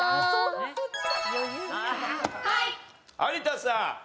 有田さん。